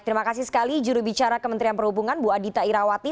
terima kasih sekali jurubicara kementerian perhubungan bu adita irawati